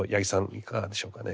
いかがでしょうかね。